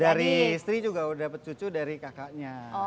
dari istri juga udah dapat cucu dari kakaknya